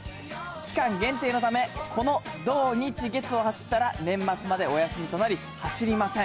期間限定のため、この土、日、月を走ったら年末までお休みとなり、走りません。